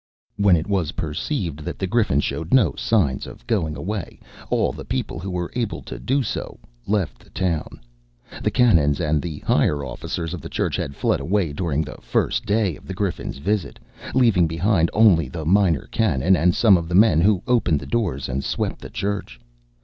When it was perceived that the Griffin showed no signs of going away, all the people who were able to do so left the town. The canons and the higher officers of the church had fled away during the first day of the Griffin's visit, leaving behind only the Minor Canon and some of the men who opened the doors and swept the church.